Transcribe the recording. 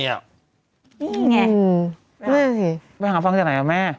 ตอนนี้นี่ไงประโยชน์ครับตรงไหนล่ะแม่